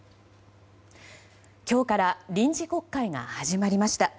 今日から臨時国会が始まりました。